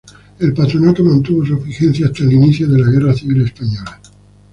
El Patronato mantuvo su vigencia hasta el inicio de la Guerra civil española.